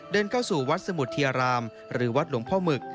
เข้าสู่วัดสมุทรเทียรามหรือวัดหลวงพ่อหมึก